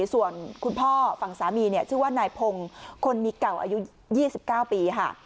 ส่วนคุณพ่อฝั่งสามีชื่อว่านายพงศ์คนมีเก่าอายุ๒๙ปีค่ะ